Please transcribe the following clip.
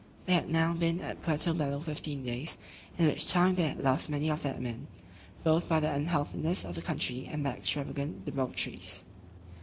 They had now been at Puerto Bello fifteen days, in which time they had lost many of their men, both by the unhealthiness of the country, and their extravagant debaucheries.